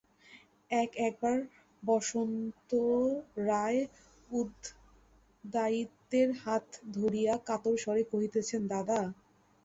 এক-একবার বসন্ত রায় উদয়াদিত্যের হাত ধরিয়া কাতর স্বরে কহিতেছেন, দাদা।